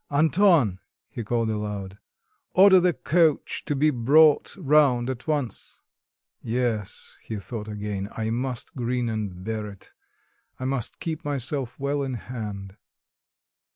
Anton," he called aloud, "order the coach to be brought round at once. Yes," he thought again, "I must grin and bear it, I must keep myself well in hand."